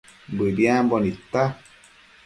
Bëdiambo nidta